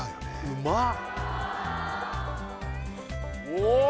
うまっ